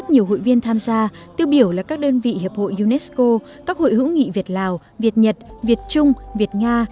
tiêu biểu là các đơn vị hiệp hội unesco các hội hữu nghị việt lào việt nhật việt trung việt nga